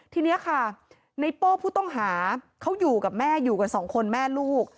ทีนี้ค่ะในโป้ผู้ต้องหาเขาอยู่กับแม่อยู่กันสองคนแม่ลูก